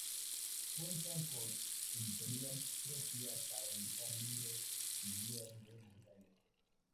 Cuentan con editorial propia para editar libros y guías de montaña.